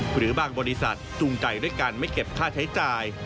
หรือบางบริษัทจูงใจด้วยการไม่เก็บค่าใช้จ่าย